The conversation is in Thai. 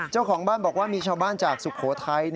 เจ้าของบ้านบอกว่ามีชาวบ้านจากสุโขทัย